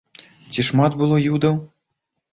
Ці шмат было юдаў?